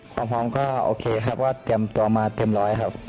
ความพร้อมก็โอเคครับก็เตรียมตัวมาเต็มร้อยครับ